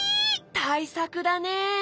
たいさくだねえ。